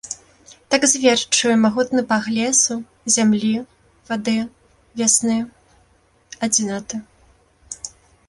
Так звер чуе магутны пах лесу, зямлі, вады, вясны, адзіноты.